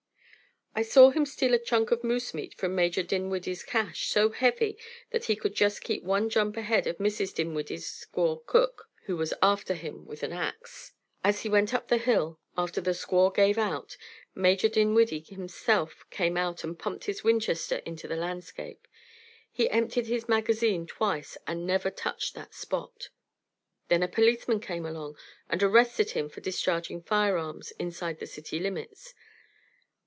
I saw him steal a chunk of moose meat from Major Dinwiddie's cache so heavy that he could just keep one jump ahead of Mrs. Dinwiddie's squaw cook, who was after him with an ax. As he went up the hill, after the squaw gave out, Major Dinwiddie himself came out and pumped his Winchester into the landscape. He emptied his magazine twice, and never touched that Spot. Then a policeman came along and arrested him for discharging firearms inside the city limits.